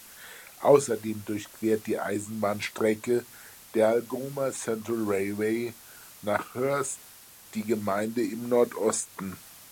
Außerdem durchquert die Eisenbahnstrecke der Algoma Central Railway nach Hearst die Gemeinde im Nordosten.